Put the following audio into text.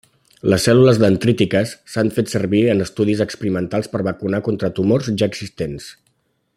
Les cèl·lules dendrítiques s'han fet servir en estudis experimentals per vacunar contra tumors ja existents.